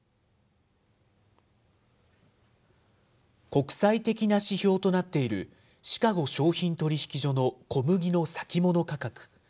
国際的な指標となっている、シカゴ商品取引所の小麦の先物価格。